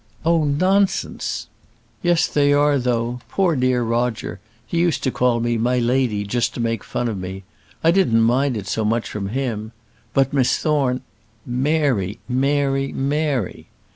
"Oh, nonsense." "Yes, they are though: poor dear Roger, he used to call me 'my lady' just to make fun of me; I didn't mind it so much from him. But, Miss Thorne " "Mary, Mary, Mary."